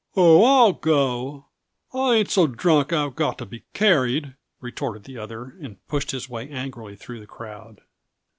"Oh, I'll go I ain't so drunk I've got to be carried!" retorted the other, and pushed his way angrily through the crowd.